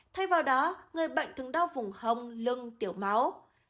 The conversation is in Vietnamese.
thay vào đó người bệnh thường đau vùng hồng lưng tiểu máu